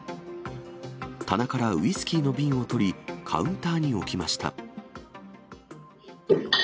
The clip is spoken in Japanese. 棚からウイスキーの瓶を取り、カウンターに置きました。